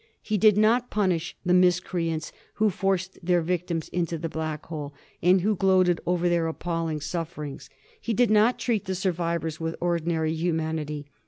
He did not punish the miscreants who forced their victims into the Black hole, and who gloated over their appalling sufferings. He did not treat the survivors with ordinary humanity.